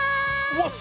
うわっ